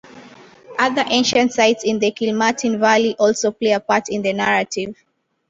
Other ancient sites in the Kilmartin Valley also play a part in the narrative.